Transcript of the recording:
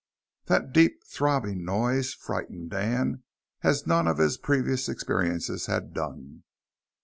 That deep, throbbing noise frightened Dan as none of his previous experiences had done.